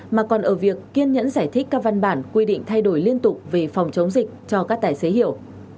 mà còn ở việc kiên nhẫn giải thích các văn bản quy định thay đổi liên tục về phòng chống dịch cho các tài xế hiểu